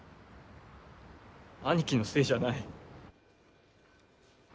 兄貴のせいじゃない。